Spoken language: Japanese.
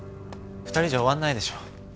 ２人じゃ終わんないでしょ。